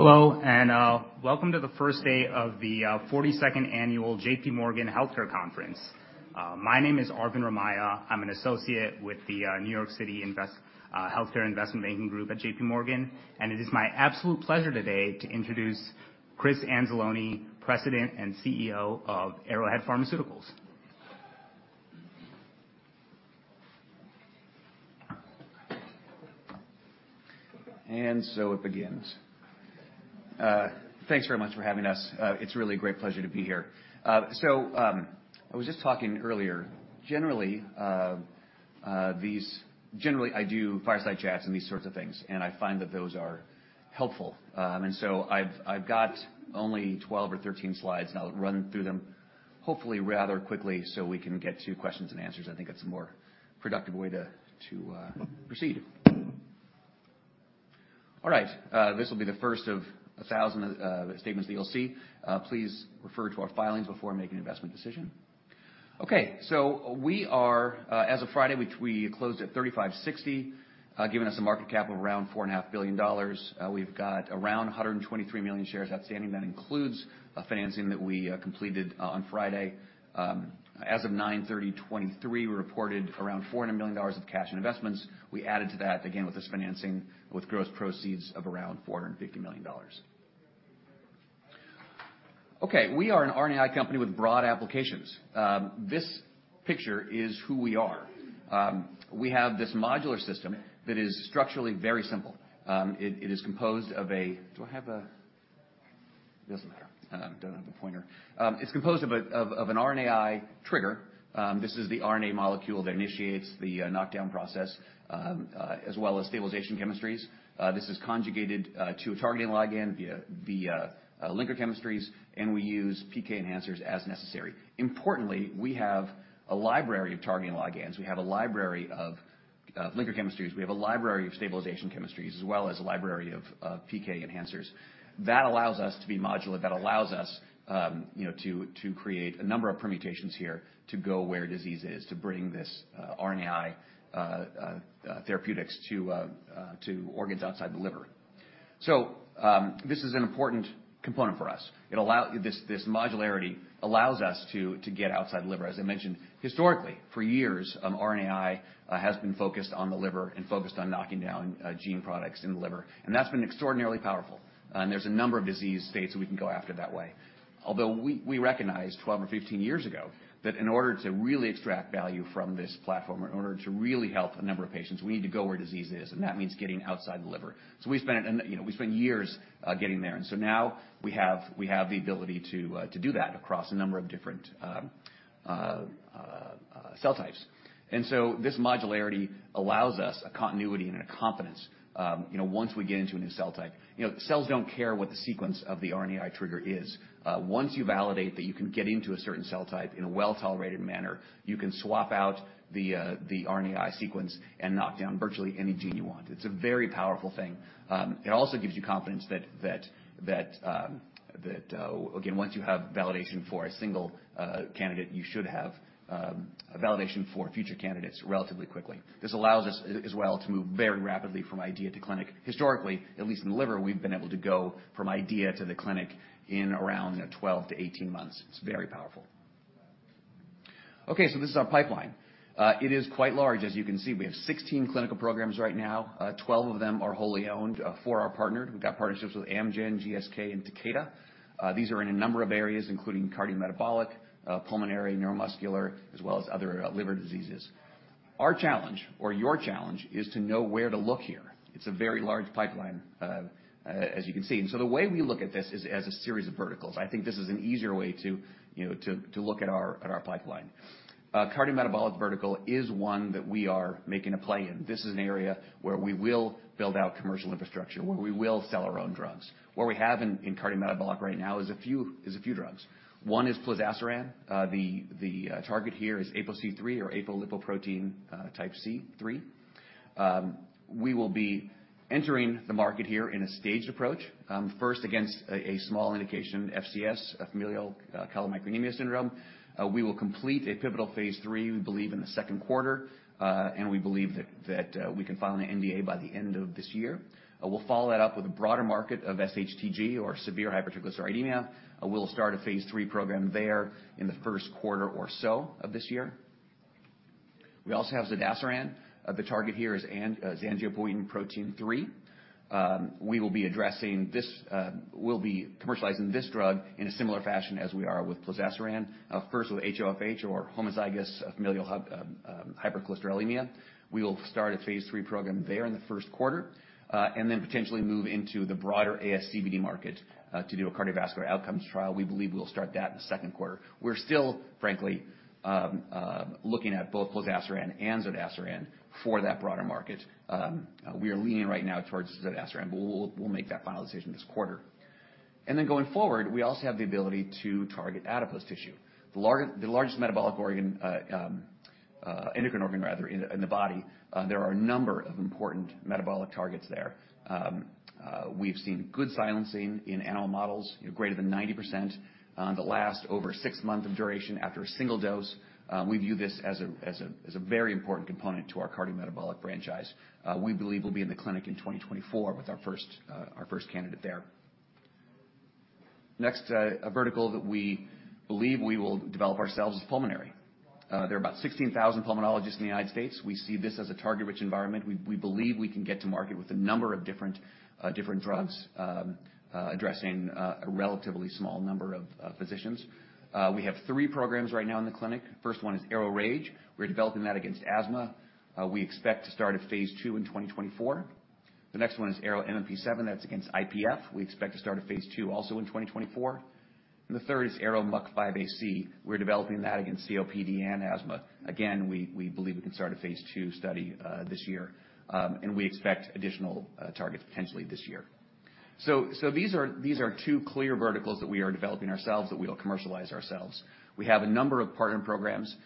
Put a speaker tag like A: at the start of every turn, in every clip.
A: Hello, and welcome to the first day of the 42nd annual J.P. Morgan Healthcare Conference. My name is Arvind Ramaiah. I'm an associate with the New York City Healthcare Investment Banking Group at JPMorgan, and it is my absolute pleasure today to introduce Chris Anzalone, President and CEO of Arrowhead Pharmaceuticals.
B: So it begins. Thanks very much for having us. It's really a great pleasure to be here. So, I was just talking earlier. Generally, I do fireside chats and these sorts of things, and I find that those are helpful. And so I've got only 12 or 13 slides, and I'll run through them hopefully rather quickly, so we can get to questions and answers. I think that's a more productive way to proceed. All right, this will be the first of 1,000 statements that you'll see. Please refer to our filings before making an investment decision. Okay, so we are, as of Friday, which we closed at $35.60, giving us a market cap of around $4.5 billion. We've got around 123 million shares outstanding. That includes a financing that we completed on Friday. As of 9/30/2023, we reported around $400 million of cash and investments. We added to that, again, with this financing, with gross proceeds of around $450 million. Okay, we are an RNAi company with broad applications. This picture is who we are. We have this modular system that is structurally very simple. It is composed of a. Doesn't matter. Don't have a pointer. It's composed of an RNAi trigger. This is the RNA molecule that initiates the knockdown process, as well as stabilization chemistries. This is conjugated to a targeting ligand via linker chemistries, and we use PK enhancers as necessary. Importantly, we have a library of targeting ligands. We have a library of linker chemistries. We have a library of stabilization chemistries, as well as a library of PK enhancers. That allows us to be modular. That allows us, you know, to create a number of permutations here to go where disease is, to bring this RNAi therapeutics to organs outside the liver. So, this is an important component for us. This modularity allows us to get outside the liver. As I mentioned, historically, for years, RNAi has been focused on the liver and focused on knocking down gene products in the liver, and that's been extraordinarily powerful. There's a number of disease states that we can go after that way. Although we recognized 12 or 15 years ago that in order to really extract value from this platform, in order to really help a number of patients, we need to go where disease is, and that means getting outside the liver. So we spent, you know, we spent years getting there. And so now we have the ability to do that across a number of different cell types. And so this modularity allows us a continuity and a confidence, you know, once we get into a new cell type. You know, cells don't care what the sequence of the RNAi trigger is. Once you validate that you can get into a certain cell type in a well-tolerated manner, you can swap out the the RNAi sequence and knock down virtually any gene you want. It's a very powerful thing. It also gives you confidence that again, once you have validation for a single candidate, you should have a validation for future candidates relatively quickly. This allows us as well to move very rapidly from idea to clinic. Historically, at least in the liver, we've been able to go from idea to the clinic in around 12-18 months. It's very powerful. Okay, so this is our pipeline. It is quite large. As you can see, we have 16 clinical programs right now. Twelve of them are wholly owned. Four are partnered. We've got partnerships with Amgen, GSK, and Takeda. These are in a number of areas, including cardiometabolic, pulmonary, neuromuscular, as well as other liver diseases. Our challenge or your challenge is to know where to look here. It's a very large pipeline, as you can see. And so the way we look at this is as a series of verticals. I think this is an easier way to, you know, to look at our pipeline. Cardiometabolic vertical is one that we are making a play in. This is an area where we will build out commercial infrastructure, where we will sell our own drugs. What we have in cardiometabolic right now is a few drugs. One is plozasiran. The target here is APOC3 or apolipoprotein type C3. We will be entering the market here in a staged approach, first against a small indication, FCS, familial chylomicronemia syndrome. We will complete a pivotal Phase III, we believe, in the second quarter, and we believe that we can file an NDA by the end of this year. We'll follow that up with a broader market of SHTG or severe hypertriglyceridemia. We'll start a Phase III program there in the first quarter or so of this year. We also have zodasiran. The target here is angiopoietin protein three. We will be addressing this. We'll be commercializing this drug in a similar fashion as we are with plozasiran, first with HoFH or homozygous familial hypercholesterolemia. We will start a Phase III program there in the first quarter, and then potentially move into the broader ASCVD market, to do a cardiovascular outcomes trial. We believe we'll start that in the second quarter. We're still, frankly, looking at both plozasiran and zodasiran for that broader market. We are leaning right now towards zodasiran, but we'll, we'll make that final decision this quarter. And then going forward, we also have the ability to target adipose tissue. The largest metabolic organ, endocrine organ, rather, in the body, there are a number of important metabolic targets there. We've seen good silencing in animal models, you know, greater than 90%, that last over 6 months of duration after a single dose. We view this as a very important component to our cardiometabolic franchise. We believe we'll be in the clinic in 2024 with our first candidate there. Next, a vertical that we believe we will develop ourselves is pulmonary. There are about 16,000 pulmonologists in the United States. We see this as a target-rich environment. We believe we can get to market with a number of different drugs addressing a relatively small number of physicians. We have three programs right now in the clinic. First one is ARO-RAGE. We're developing that against asthma. We expect to start a Phase II in 2024. The next one is ARO-MMP7, that's against IPF. We expect to start a Phase II, also in 2024. And the third is ARO-MUC5AC. We're developing that against COPD and asthma. Again, we believe we can start a Phase II study this year, and we expect additional targets potentially this year. So these are two clear verticals that we are developing ourselves, that we'll commercialize ourselves. We have a number of partner programs.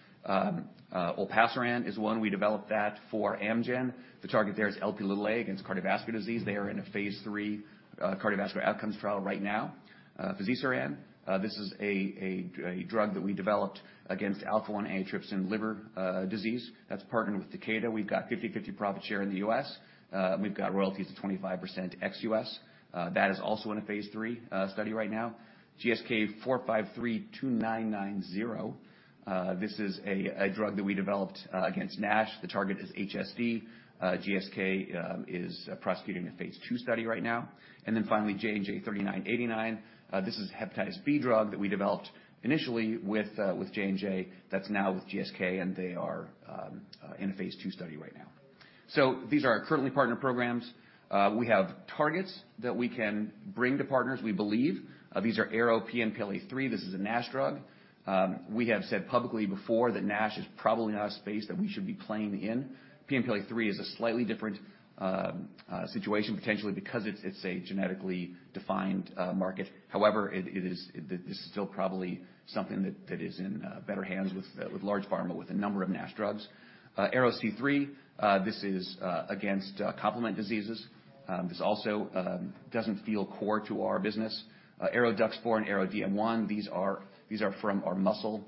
B: Olpasiran is one. We developed that for Amgen. The target there is Lp(a) against cardiovascular disease. They are in a Phase III cardiovascular outcomes trial right now. Fazirsiran, this is a drug that we developed against alpha-1 antitrypsin liver disease. That's partnered with Takeda. We've got 50/50 profit share in the U.S. We've got royalties of 25% ex-U.S. That is also in a Phase III study right now. GSK4532990, this is a drug that we developed against NASH. The target is HSD. GSK is prosecuting a Phase II study right now. And then finally, JNJ-3989. This is a hepatitis B drug that we developed initially with J&J, that's now with GSK, and they are in a Phase II study right now. So these are our currently partnered programs. We have targets that we can bring to partners, we believe. These are ARO-PNPLA3. This is a NASH drug. We have said publicly before that NASH is probably not a space that we should be playing in. PNPLA3 is a slightly different situation, potentially because it's a genetically defined market. However, it is still probably something that is in better hands with large pharma, with a number of NASH drugs. ARO-C3, this is against complement diseases. This also doesn't feel core to our business. ARO-DUX4 and ARO-DM1, these are from our muscle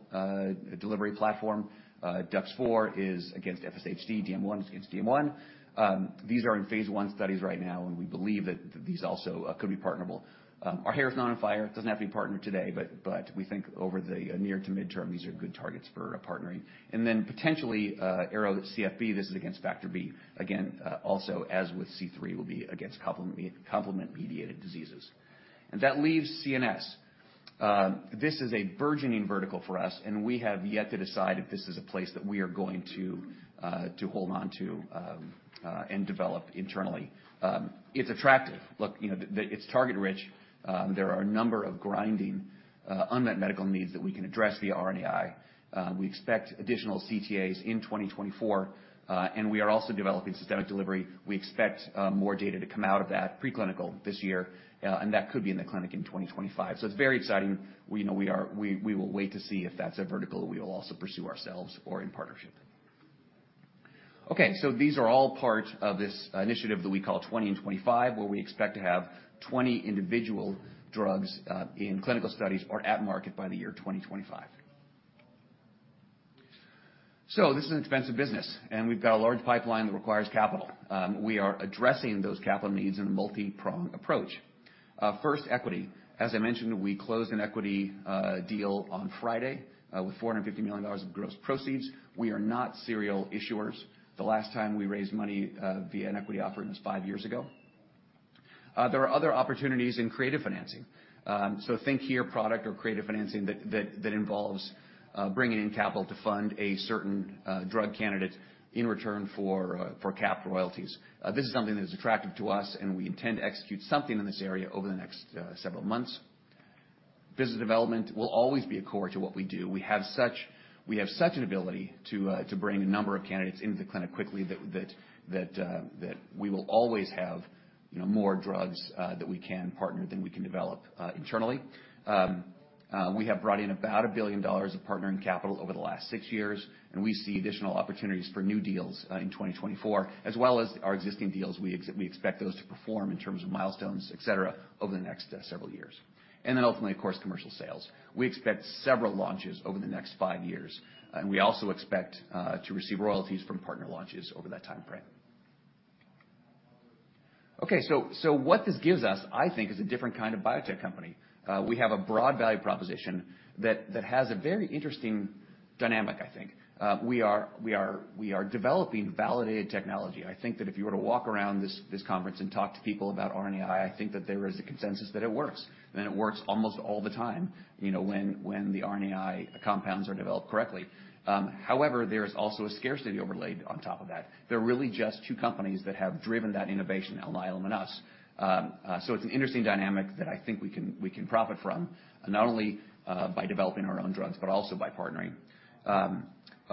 B: delivery platform. DUX4 is against FSHD, DM1 is against DM1. These are in phase one studies right now, and we believe that these also could be partnerable. Our hair is not on fire. It doesn't have to be partnered today, but we think over the near to midterm, these are good targets for a partnering. And then potentially, ARO-CFB, this is against factor B. Again, also, as with C3, will be against complement-mediated diseases. And that leaves CNS. This is a burgeoning vertical for us, and we have yet to decide if this is a place that we are going to hold on to and develop internally. It's attractive. Look, you know, it's target rich. There are a number of growing unmet medical needs that we can address via RNAi. We expect additional CTAs in 2024, and we are also developing systemic delivery. We expect more data to come out of that preclinical this year, and that could be in the clinic in 2025. So it's very exciting. We will wait to see if that's a vertical we will also pursue ourselves or in partnership. Okay, so these are all part of this initiative that we call 20 in 2025, where we expect to have 20 individual drugs in clinical studies or at market by the year 2025. So this is an expensive business, and we've got a large pipeline that requires capital. We are addressing those capital needs in a multipronged approach. First, equity. As I mentioned, we closed an equity deal on Friday with $450 million of gross proceeds. We are not serial issuers. The last time we raised money via an equity offering was 5 years ago. There are other opportunities in creative financing. So think here, product or creative financing that involves bringing in capital to fund a certain drug candidate in return for cap royalties. This is something that is attractive to us, and we intend to execute something in this area over the next several months. Business development will always be a core to what we do. We have such an ability to bring a number of candidates into the clinic quickly that we will always have, you know, more drugs that we can partner than we can develop internally. We have brought in about $1 billion of partnering capital over the last six years, and we see additional opportunities for new deals in 2024, as well as our existing deals. We expect those to perform in terms of milestones, et cetera, over the next several years. And then ultimately, of course, commercial sales. We expect several launches over the next five years, and we also expect to receive royalties from partner launches over that time frame. Okay, so what this gives us, I think, is a different kind of biotech company. We have a broad value proposition that has a very interesting dynamic, I think. We are developing validated technology. I think that if you were to walk around this conference and talk to people about RNAi, I think that there is a consensus that it works, and it works almost all the time, you know, when the RNAi compounds are developed correctly. However, there is also a scarcity overlaid on top of that. There are really just two companies that have driven that innovation, Alnylam and us. So it's an interesting dynamic that I think we can, we can profit from, not only by developing our own drugs, but also by partnering.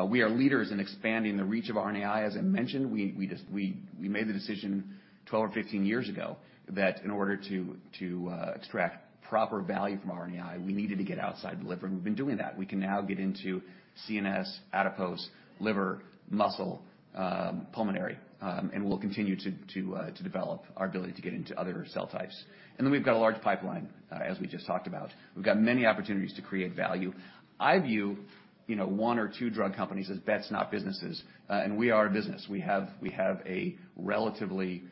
B: We are leaders in expanding the reach of RNAi, as I mentioned. We made the decision 12 or 15 years ago that in order to extract proper value from RNAi, we needed to get outside the liver, and we've been doing that. We can now get into CNS, adipose, liver, muscle, pulmonary, and we'll continue to develop our ability to get into other cell types. And then we've got a large pipeline, as we just talked about. We've got many opportunities to create value. I view, you know, one or two drug companies as bets, not businesses, and we are a business. We have a relatively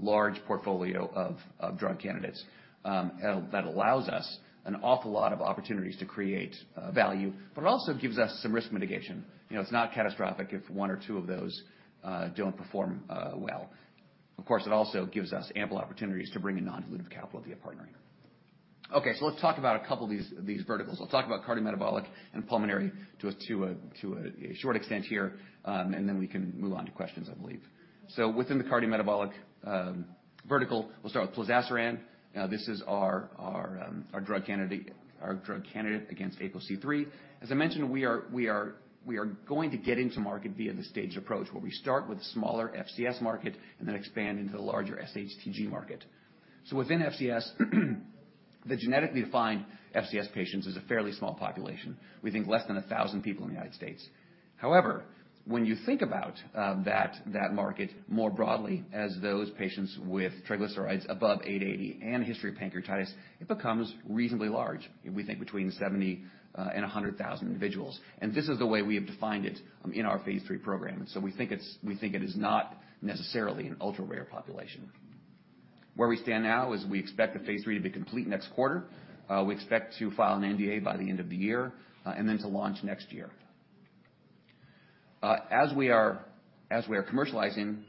B: large portfolio of drug candidates that allows us an awful lot of opportunities to create value, but it also gives us some risk mitigation. You know, it's not catastrophic if one or two of those don't perform well. Of course, it also gives us ample opportunities to bring in non-dilutive capital via partnering. Okay, so let's talk about a couple of these verticals. I'll talk about cardiometabolic and pulmonary to a short extent here, and then we can move on to questions, I believe. So within the cardiometabolic vertical, we'll start with plozasiran. This is our drug candidate against APOC3. As I mentioned, we are going to get into market via the stage approach, where we start with a smaller FCS market and then expand into the larger SHTG market. So within FCS, the genetically defined FCS patients is a fairly small population. We think less than 1,000 people in the United States. However, when you think about that market more broadly, as those patients with triglycerides above 880 and a history of pancreatitis, it becomes reasonably large. We think between 70 and 100,000 individuals, and this is the way we have defined it in our Phase III program. So we think it is not necessarily an ultra-rare population. Where we stand now is we expect the Phase III to be complete next quarter. We expect to file an NDA by the end of the year, and then to launch next year. As we are commercializing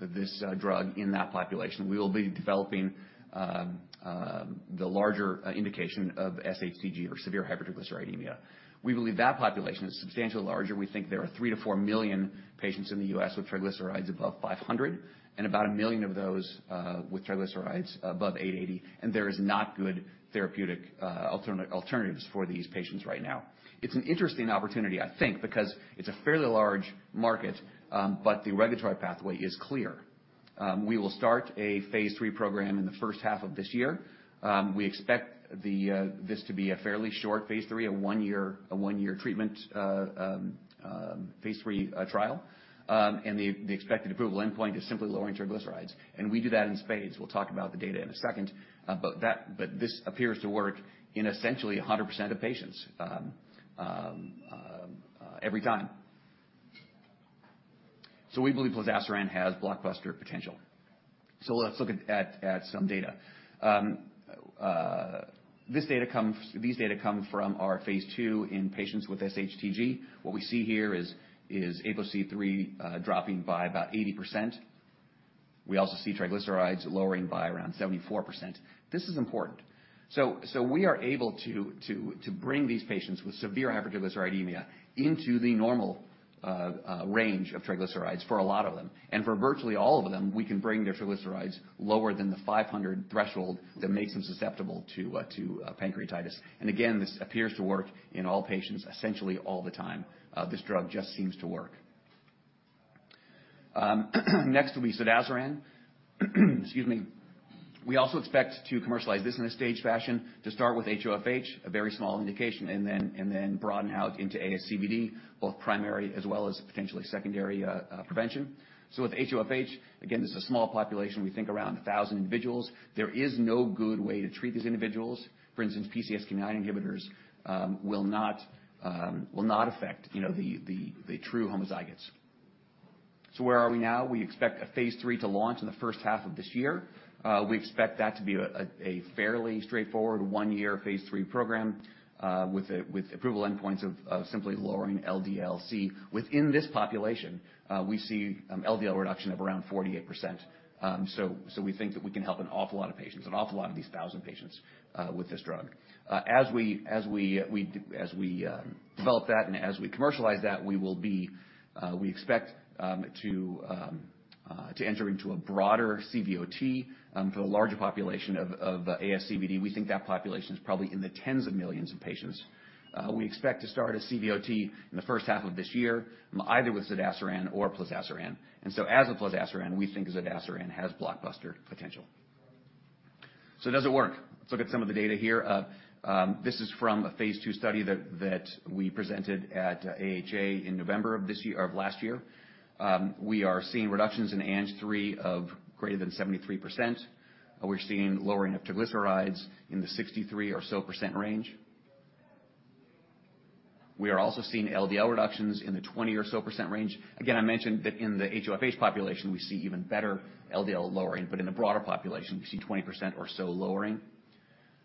B: this drug in that population, we will be developing the larger indication of SHTG or severe hypertriglyceridemia. We believe that population is substantially larger. We think there are 3-4 million patients in the U.S. with triglycerides above 500, and about 1 million of those with triglycerides above 880, and there is not good therapeutic alternatives for these patients right now. It's an interesting opportunity, I think, because it's a fairly large market, but the regulatory pathway is clear. We will start a Phase III program in the first half of this year. We expect this to be a fairly short phase three, a one-year treatment, phase three trial. The expected approval endpoint is simply lowering triglycerides, and we do that in spades. We'll talk about the data in a second, but this appears to work in essentially 100% of patients, every time. So we believe plozasiran has blockbuster potential. So let's look at some data. This data comes... These data come from our phase two in patients with SHTG. What we see here is APOC3 dropping by about 80%. We also see triglycerides lowering by around 74%. This is important. So we are able to bring these patients with severe hypertriglyceridemia into the normal range of triglycerides for a lot of them, and for virtually all of them, we can bring their triglycerides lower than the 500 threshold that makes them susceptible to pancreatitis. And again, this appears to work in all patients, essentially all the time. This drug just seems to work. Next will be zodasiran. Excuse me. We also expect to commercialize this in a staged fashion to start with HoFH, a very small indication, and then broaden out into ASCVD, both primary as well as potentially secondary prevention. So with HoFH, again, this is a small population. We think around 1,000 individuals. There is no good way to treat these individuals. For instance, PCSK9 inhibitors will not affect, you know, the true homozygotes. So where are we now? We expect a Phase III to launch in the first half of this year. We expect that to be a fairly straightforward 1-year Phase III program with approval endpoints of simply lowering LDL-C. Within this population, we see LDL reduction of around 48%. So we think that we can help an awful lot of patients, an awful lot of these 1,000 patients, with this drug. As we develop that and as we commercialize that, we will be, we expect, to enter into a broader CVOT for the larger population of ASCVD. We think that population is probably in the tens of millions of patients. We expect to start a CVOT in the first half of this year, either with zodasiran or plozasiran. And so as with plozasiran, we think zodasiran has blockbuster potential. So does it work? Let's look at some of the data here. This is from a Phase II study that we presented at AHA in November of this year, of last year. We are seeing reductions in ANGPTL3 of greater than 73%. We're seeing lowering of triglycerides in the 63% or so range. We are also seeing LDL reductions in the 20% or so range. Again, I mentioned that in the HoFH population, we see even better LDL lowering, but in the broader population, we see 20% or so lowering.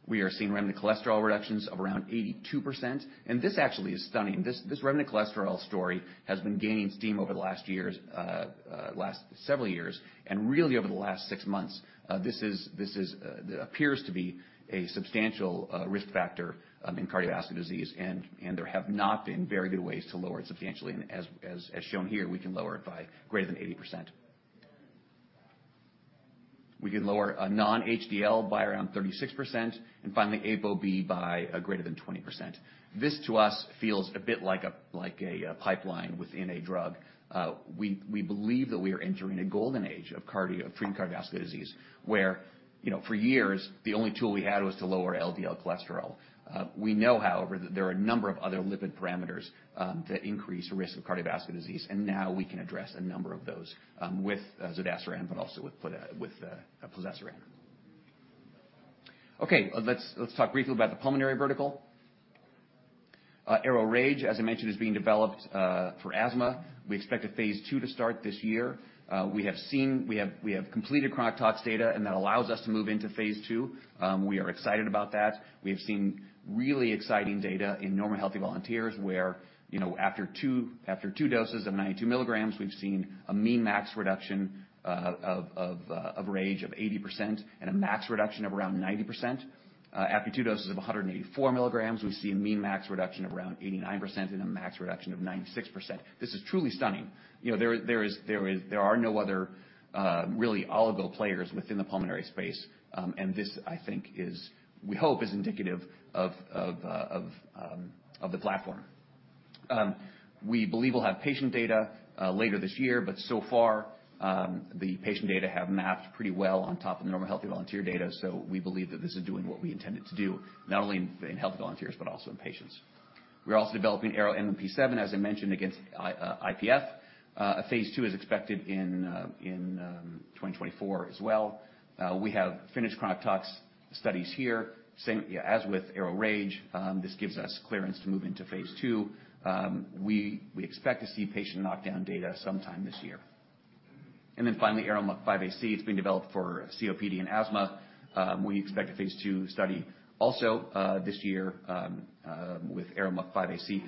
B: We are seeing remnant cholesterol reductions of around 82%, and this actually is stunning. This remnant cholesterol story has been gaining steam over the last several years, and really over the last six months, this appears to be a substantial risk factor in cardiovascular disease, and there have not been very good ways to lower it substantially. And as shown here, we can lower it by greater than 80%. We can lower a non-HDL by around 36%, and finally, ApoB by greater than 20%. This, to us, feels a bit like a, like a, pipeline within a drug. We believe that we are entering a golden age of cardio preventing cardiovascular disease, where, you know, for years, the only tool we had was to lower LDL cholesterol. We know, however, that there are a number of other lipid parameters that increase the risk of cardiovascular disease, and now we can address a number of those with zodasiran, but also with plozasiran. Okay, let's talk briefly about the pulmonary vertical. ARO-RAGE, as I mentioned, is being developed for asthma. We expect a phase II to start this year. We have completed chronic tox data, and that allows us to move into phase II. We are excited about that. We have seen really exciting data in normal healthy volunteers, where, you know, after two doses of 92 milligrams, we've seen a mean max reduction of RAGE of 80% and a max reduction of around 90%. After two doses of 184 milligrams, we see a mean max reduction of around 89% and a max reduction of 96%. This is truly stunning. You know, there, there is, there is- there are no other really oligo players within the pulmonary space. And this, I think is... we hope is indicative of, of, of the platform. We believe we'll have patient data later this year, but so far, the patient data have mapped pretty well on top of the normal healthy volunteer data. So we believe that this is doing what we intend it to do, not only in healthy volunteers, but also in patients. We're also developing ARO-MMP7, as I mentioned, against IPF. A Phase II is expected in 2024 as well. We have finished chronic tox studies here. Same as with ARO-RAGE, this gives us clearance to move into phase II. We expect to see patient knockdown data sometime this year. And then finally, ARO-MUC5AC. It's been developed for COPD and asthma. We expect a phase II study also this year with ARO-MUC5AC.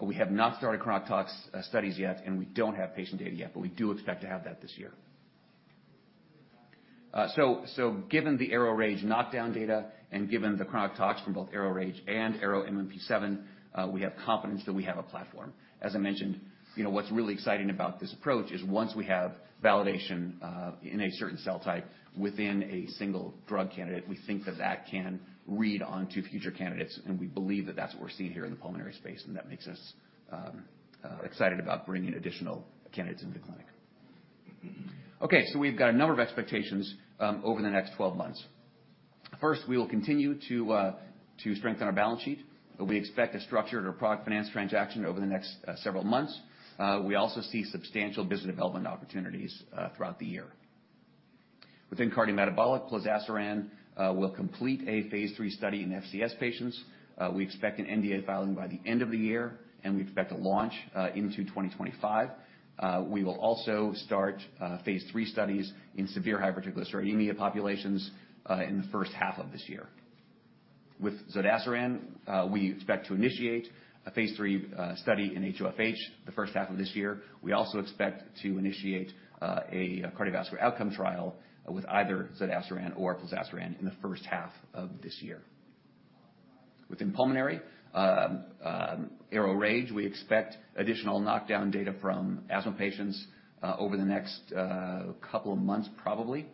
B: We have not started chronic tox studies yet, and we don't have patient data yet, but we do expect to have that this year. So given the ARO-RAGE knockdown data and given the chronic tox from both ARO-RAGE and ARO-MMP7, we have confidence that we have a platform. As I mentioned, you know, what's really exciting about this approach is once we have validation in a certain cell type within a single drug candidate, we think that that can read on to future candidates, and we believe that that's what we're seeing here in the pulmonary space, and that makes us excited about bringing additional candidates into the clinic. Okay, so we've got a number of expectations over the next 12 months. First, we will continue to strengthen our balance sheet. We expect a structured or product finance transaction over the next several months. We also see substantial business development opportunities throughout the year. Within cardiometabolic, zodasiran will complete a phase III study in FCS patients. We expect an NDA filing by the end of the year, and we expect a launch into 2025. We will also start phase III studies in severe hypertriglyceridemia populations in the first half of this year. With zodasiran, we expect to initiate a phase III study in HoFH in the first half of this year. We also expect to initiate a cardiovascular outcome trial with either zodasiran or plozasiran in the first half of this year. Within pulmonary, ARO-RAGE, we expect additional knockdown data from asthma patients over the next couple of months, probably.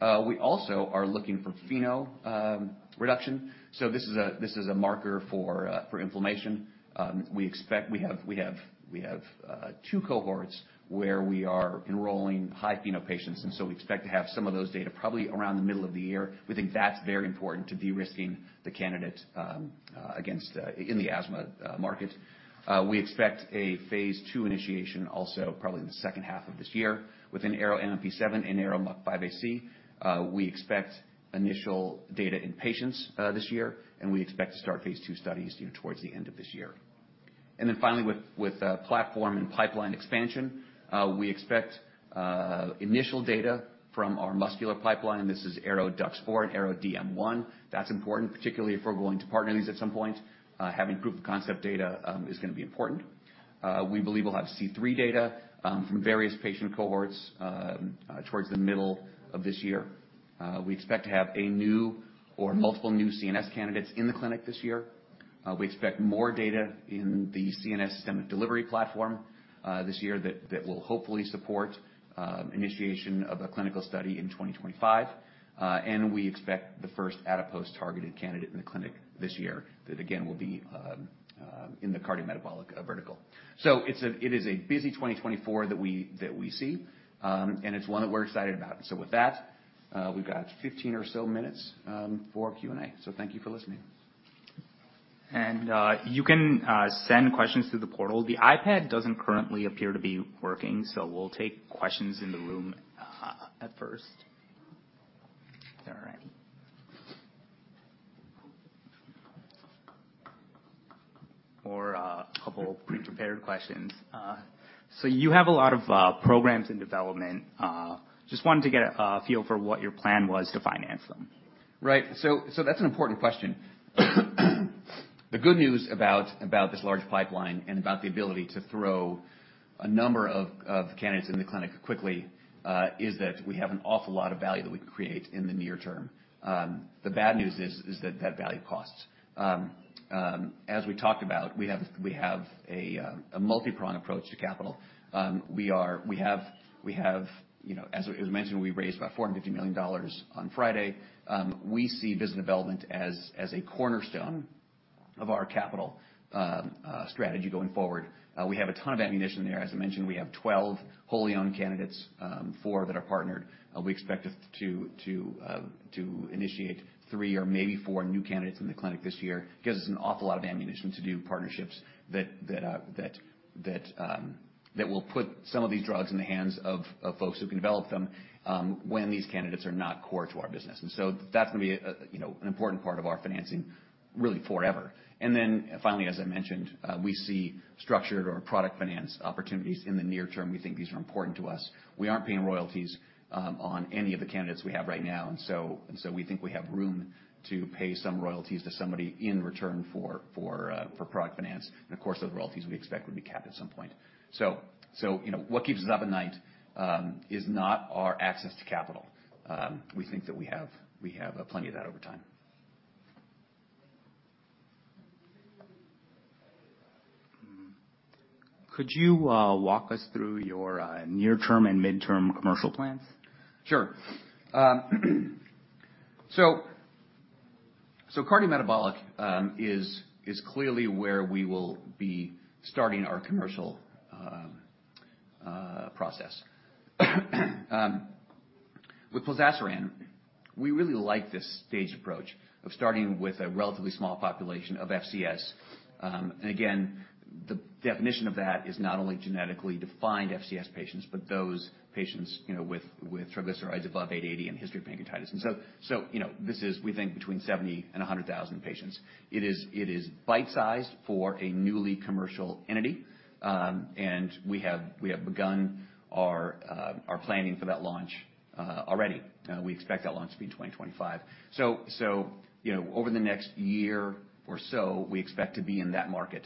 B: We also are looking for FeNO reduction. So this is a marker for inflammation. We have two cohorts where we are enrolling high FeNO patients, and so we expect to have some of those data probably around the middle of the year. We think that's very important to de-risking the candidate against in the asthma market. We expect a phase II initiation also probably in the second half of this year. Within ARO-MMP7 and ARO-MUC5AC, we expect initial data in patients this year, and we expect to start phase II studies towards the end of this year. And then finally, with platform and pipeline expansion, we expect initial data from our muscular pipeline. This is ARO-DUX4 and ARO-DM1. That's important, particularly if we're going to partner these at some point. Having proof-of-concept data is gonna be important. We believe we'll have C3 data from various patient cohorts towards the middle of this year. We expect to have a new or multiple new CNS candidates in the clinic this year. We expect more data in the CNS systemic delivery platform this year that will hopefully support initiation of a clinical study in 2025. And we expect the first adipose targeted candidate in the clinic this year. That, again, will be in the cardiometabolic vertical. So it is a busy 2024 that we see, and it's one that we're excited about. So with that, we've got 15 or so minutes for Q&A. So thank you for listening.
A: You can send questions through the portal. The iPad doesn't currently appear to be working, so we'll take questions in the room at first. All right. Or a couple of pre-prepared questions. So you have a lot of programs in development. Just wanted to get a feel for what your plan was to finance them.
B: Right. So that's an important question. The good news about this large pipeline and about the ability to throw a number of candidates in the clinic quickly is that we have an awful lot of value that we can create in the near term. The bad news is that that value costs. As we talked about, we have a multipronged approach to capital. We have, you know, as was mentioned, we raised about $450 million on Friday. We see business development as a cornerstone of our capital strategy going forward. We have a ton of ammunition there. As I mentioned, we have 12 wholly owned candidates, four that are partnered. We expect to initiate three or maybe four new candidates in the clinic this year. Gives us an awful lot of ammunition to do partnerships that will put some of these drugs in the hands of folks who can develop them, when these candidates are not core to our business. And so that's gonna be a, you know, an important part of our financing, really forever. And then finally, as I mentioned, we see structured or product finance opportunities in the near term. We think these are important to us. We aren't paying royalties on any of the candidates we have right now, and so we think we have room to pay some royalties to somebody in return for product finance. Of course, those royalties we expect would be capped at some point. So, you know, what keeps us up at night is not our access to capital. We think that we have plenty of that over time.
A: Could you walk us through your near-term and mid-term commercial plans?
B: Sure. So, cardiometabolic is clearly where we will be starting our commercial process. With zodasiran, we really like this staged approach of starting with a relatively small population of FCS. And again, the definition of that is not only genetically defined FCS patients, but those patients, you know, with triglycerides above 880 and history of pancreatitis. So, you know, this is, we think, between 70 and 100,000 patients. It is bite-sized for a newly commercial entity, and we have begun our planning for that launch already. We expect that launch to be in 2025. So, you know, over the next year or so, we expect to be in that market.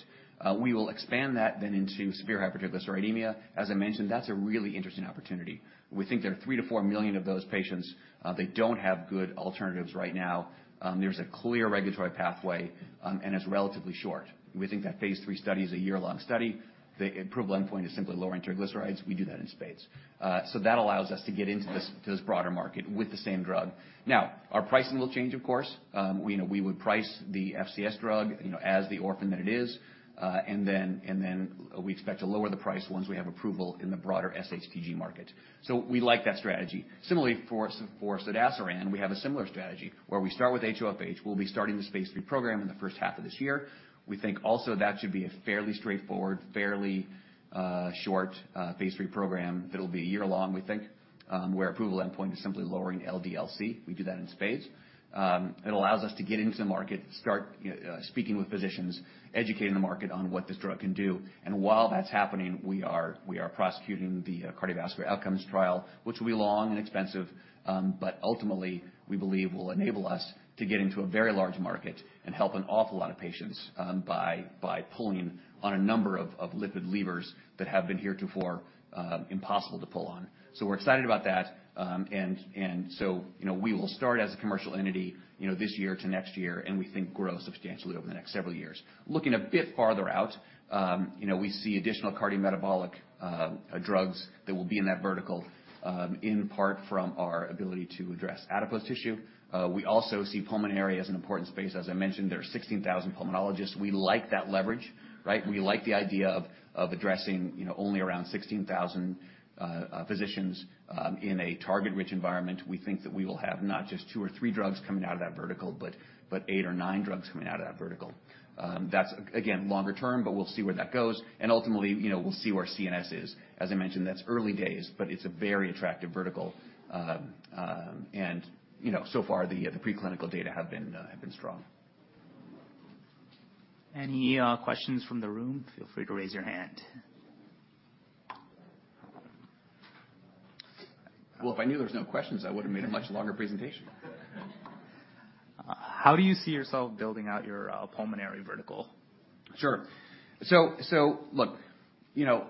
B: We will expand that then into severe hypertriglyceridemia. As I mentioned, that's a really interesting opportunity. We think there are 3-4 million of those patients. They don't have good alternatives right now. There's a clear regulatory pathway, and it's relatively short. We think that Phase III study is a year-long study. The approval endpoint is simply lowering triglycerides. We do that in spades. So that allows us to get into this broader market with the same drug. Now, our pricing will change, of course. We know we would price the FCS drug, you know, as the orphan that it is. And then we expect to lower the price once we have approval in the broader SHTG market. So we like that strategy. Similarly, for zodasiran, we have a similar strategy, where we start with HoFH. We'll be starting this Phase III program in the first half of this year. We think also that should be a fairly straightforward, fairly short Phase III program. It'll be a year-long, we think, where approval endpoint is simply lowering LDL-C. We do that in spades. It allows us to get into the market, start speaking with physicians, educating the market on what this drug can do, and while that's happening, we are prosecuting the cardiovascular outcomes trial, which will be long and expensive, but ultimately, we believe will enable us to get into a very large market and help an awful lot of patients, by pulling on a number of lipid levers that have been heretofore impossible to pull on. So we're excited about that. So, you know, we will start as a commercial entity, you know, this year to next year, and we think grow substantially over the next several years. Looking a bit farther out, you know, we see additional cardiometabolic drugs that will be in that vertical, in part from our ability to address adipose tissue. We also see pulmonary as an important space. As I mentioned, there are 16,000 pulmonologists. We like that leverage, right? We like the idea of addressing, you know, only around 16,000 physicians, in a target-rich environment. We think that we will have not just 2 or 3 drugs coming out of that vertical, but 8 or 9 drugs coming out of that vertical. That's again, longer term, but we'll see where that goes, and ultimately, you know, we'll see where CNS is. As I mentioned, that's early days, but it's a very attractive vertical. And, you know, so far, the preclinical data have been strong.
A: Any questions from the room? Feel free to raise your hand.
B: Well, if I knew there was no questions, I would have made a much longer presentation.
A: How do you see yourself building out your, pulmonary vertical?
B: Sure. So look, you know,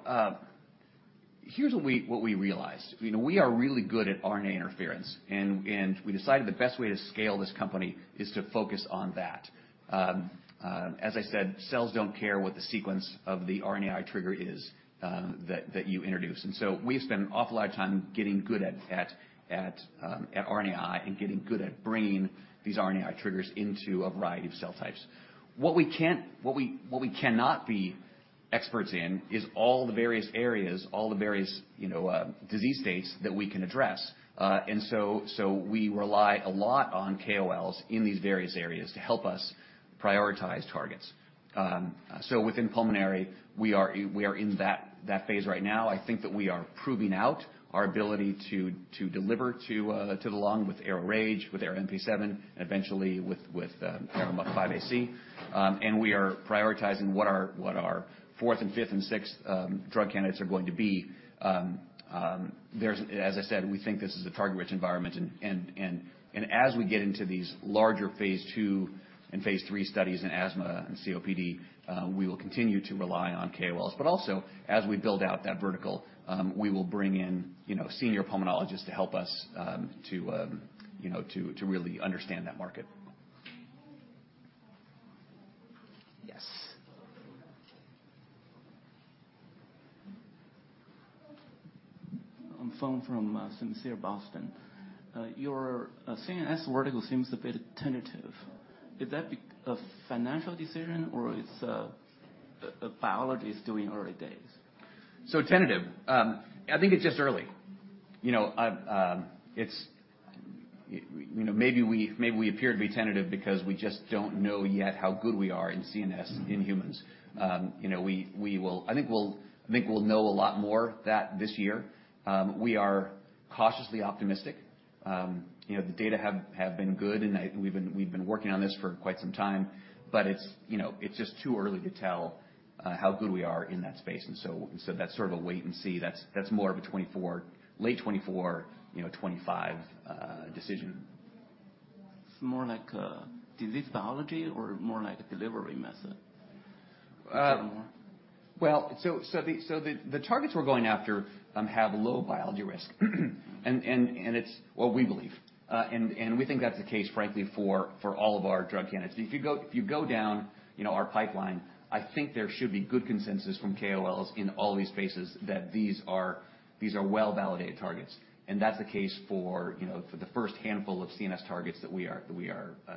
B: here's what we realized. You know, we are really good at RNA interference, and we decided the best way to scale this company is to focus on that. As I said, cells don't care what the sequence of the RNAi trigger is, that you introduce. And so we spend an awful lot of time getting good at RNAi and getting good at bringing these RNAi triggers into a variety of cell types. What we cannot be experts in is all the various areas, all the various, you know, disease states that we can address. And so we rely a lot on KOLs in these various areas to help us prioritize targets. So within pulmonary, we are in that phase right now. I think that we are proving out our ability to deliver to the lung with ARO-RAGE, with ARO-MMP7, and eventually with ARO-MUC5AC. And we are prioritizing what our fourth and fifth and sixth drug candidates are going to be. As I said, we think this is a target-rich environment, and as we get into these larger Phase II and Phase III studies in asthma and COPD, we will continue to rely on KOLs. But also, as we build out that vertical, we will bring in, you know, senior pulmonologists to help us, you know, to really understand that market. Yes.
C: I'm Feng from sincere Boston. Your CNS vertical seems a bit tentative. Is that a financial decision or it's biology is still in early days?
B: So tentative. I think it's just early. You know, maybe we, maybe we appear to be tentative because we just don't know yet how good we are in CNS in humans. You know, I think we'll, I think we'll know a lot more that this year. We are cautiously optimistic. You know, the data have been good, and we've been working on this for quite some time, but it's, you know, it's just too early to tell, how good we are in that space, and so that's sort of a wait-and-see. That's more of a 2024, late 2024, you know, 2025, decision.
A: It's more like a disease biology or more like a delivery method, more?
B: Well, the targets we're going after have low biology risk. And it's what we believe, and we think that's the case, frankly, for all of our drug candidates. If you go down, you know, our pipeline, I think there should be good consensus from KOLs in all these spaces that these are well-validated targets, and that's the case for, you know, for the first handful of CNS targets that we are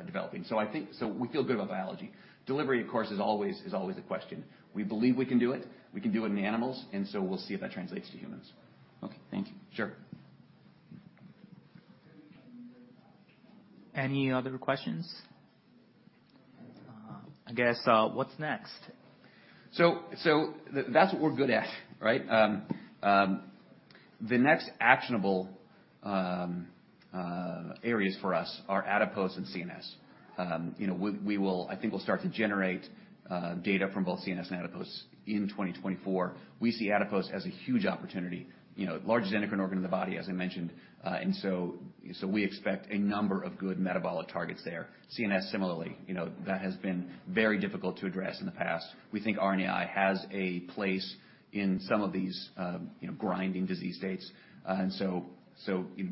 B: developing. So I think... So we feel good about biology. Delivery, of course, is always a question. We believe we can do it. We can do it in animals, and so we'll see if that translates to humans.
A: Okay, thank you.
B: Sure.
A: Any other questions? I guess, what's next?
B: So that's what we're good at, right? The next actionable areas for us are adipose and CNS. You know, we will—I think we'll start to generate data from both CNS and adipose in 2024. We see adipose as a huge opportunity, you know, largest endocrine organ in the body, as I mentioned, and so we expect a number of good metabolic targets there. CNS, similarly, you know, that has been very difficult to address in the past. We think RNAi has a place in some of these, you know, grinding disease states. And so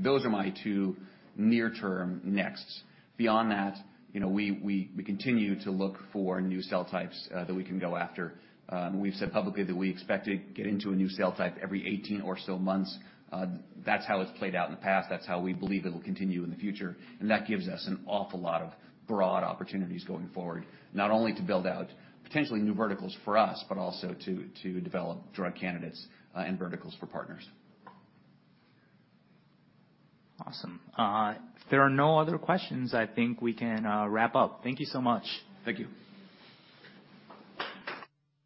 B: those are my two near-term nexts. Beyond that, you know, we continue to look for new cell types that we can go after. We've said publicly that we expect to get into a new cell type every 18 or so months. That's how it's played out in the past. That's how we believe it will continue in the future, and that gives us an awful lot of broad opportunities going forward, not only to build out potentially new verticals for us, but also to develop drug candidates, and verticals for partners.
A: Awesome. If there are no other questions, I think we can wrap up. Thank you so much.
B: Thank you.